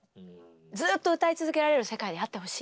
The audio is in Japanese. ずっと歌い続けられる世界であってほしい。